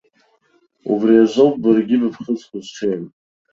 Убри азоуп, баргьы быԥхыӡқәа зҽеим.